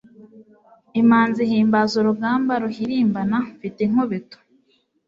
Imanzi ihimbaza urugamba ruhirimbana mfite inkubito